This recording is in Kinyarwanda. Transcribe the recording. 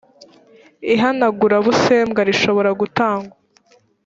ihanagurabusembwa rishobora gutangwa